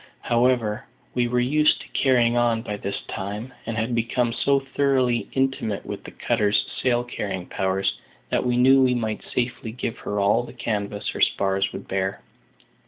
However, we were used to carrying on by this time, and had become so thoroughly intimate with the cutter's sail carrying powers that we knew we might safely give her all the canvas her spars would bear.